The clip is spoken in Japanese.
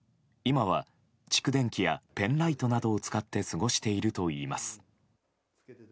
今は蓄電器やペンライトを使って過ごしているといいます。